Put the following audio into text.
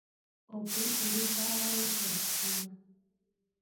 Okuyigiriza abayizi okusoma.